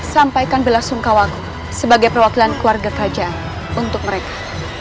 sampaikan belah sungkawaku sebagai perwakilan keluarga kerajaan untuk mereka